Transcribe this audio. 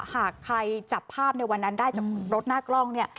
หากใครจับภาพในวันนั้นได้จากรถหน้ากล้องเนี่ย